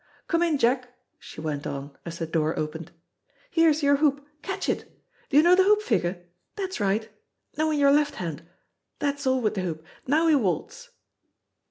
Come in, Jack," she went on, as the door opened. "Here's your hoop. Catch it! Do you know the hoop figure? That's right; no, in your left hand. That's all with the hoop. Now we waltz."